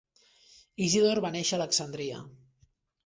Isidore va néixer a Alexandria.